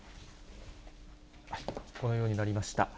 このようになりました。